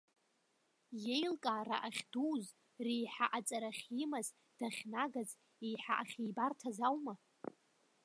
Иеилкаара ахьдуз, реиҳа аҵара ахьимаз, дахьнагаз, еиҳа ахьибарҭаз аума?